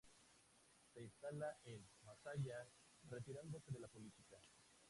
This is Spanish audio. Se instala en Masaya, retirándose de la política.